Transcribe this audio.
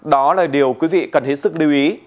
đó là điều quý vị cần hết sức lưu ý